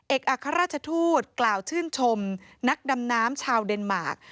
อัครราชทูตกล่าวชื่นชมนักดำน้ำชาวเดนมาร์ค